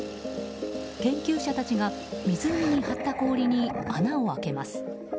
研究者たちが湖に張った氷に穴を開けます。